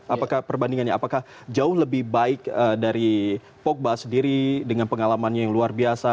apakah perbandingannya apakah jauh lebih baik dari pogba sendiri dengan pengalamannya yang luar biasa